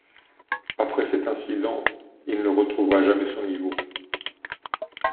Après cet incident, il ne retrouvera jamais son niveau.